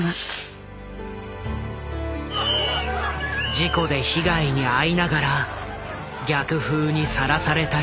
事故で被害に遭いながら逆風にさらされた人々。